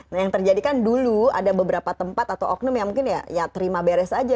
nah yang terjadi kan dulu ada beberapa tempat atau oknum yang mungkin ya terima beres aja